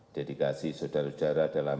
dedikasi saudara saudara dalam